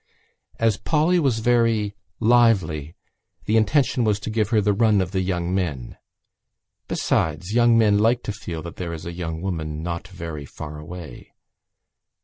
As Polly was very lively the intention was to give her the run of the young men. Besides, young men like to feel that there is a young woman not very far away.